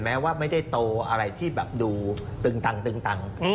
แม้ว่าไม่ได้โตอะไรที่ดูตึงตัง